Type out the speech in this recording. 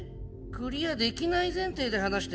クリアできない前提で話してる？